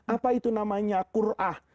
apa itu namanya qur'ah